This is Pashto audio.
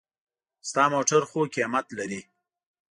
ستا موټر خو قېمت لري.